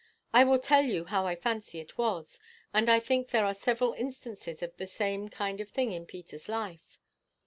I will tell you how I fancy it was; and I think there are several instances of the same kind of thing in Peter's life.